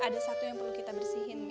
ada satu yang perlu kita bersihin